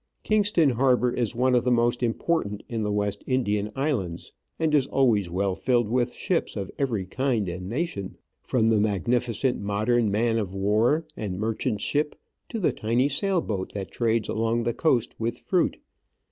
Kingston Harbour is one of the most important in the West Indian Islands, and is always well filled with ships of every kind and nation, from the magnificent modern man of war and merchant ship to the tiny sail boat that trades along the coast with fruit.